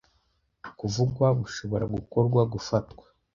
kuvugwa bushobora gukorwa gufatwa